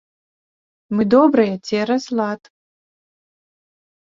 Мы добрыя цераз лад.